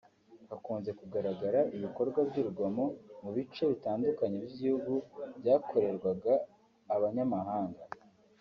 hakunze kugaragara ibikorwa by’urugomo mu bice bitandukanye by’igihugu byakorerwaga abanyamahanga